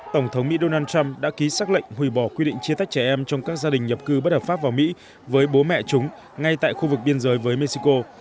tổng thống mỹ donald trump đã ký xác lệnh hủy bỏ quy định chia tách trẻ em trong các gia đình nhập cư bất hợp pháp vào mỹ với bố mẹ chúng ngay tại khu vực biên giới với mexico